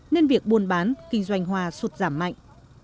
nên việc buôn bán kinh doanh hoa sụt giảm mạnh